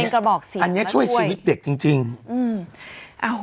เป็นเก๋าบอกเสียนอันนี้ช่วยชีวิตเด็กจริงจริงอืม